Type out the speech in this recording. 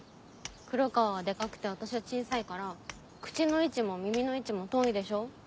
黒川はデカくて私は小さいから口の位置も耳の位置も遠いでしょ。